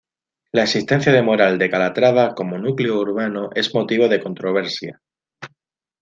La existencia de Moral de Calatrava como núcleo urbano es motivo de controversia.